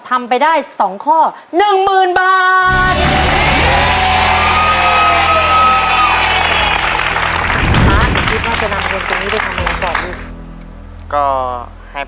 ให้พ่อไปใช้หนี้